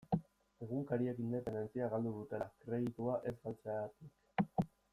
Egunkariek independentzia galdu dutela, kreditua ez galtzegatik.